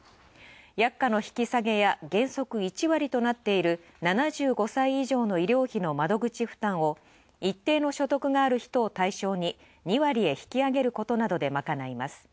薬価の引き下げや原則１割となっている７５歳以上の医療費の窓口負担を一定の所得がある人を対象に２割へ引き上げることなどでまかないます。